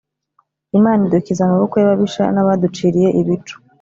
Imana idukiza amaboko y’ababisha n’abaduciriye ibico